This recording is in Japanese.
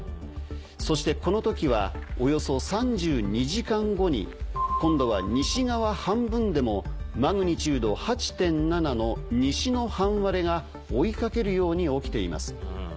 そしてこの時はおよそ３２時間後に今度は西側半分でもマグニチュード８．７の西の半割れが追いかけるように起きています。